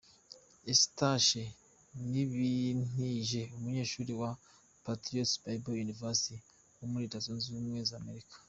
Eustache Nibintije, Umunyeshuri wa Patriots Bible University yo muri Leta Zunze Ubumwe za Amerika.